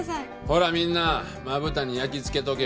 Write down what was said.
ほらみんなまぶたに焼き付けとけよ。